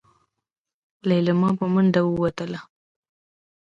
ليلما په منډه ووتله.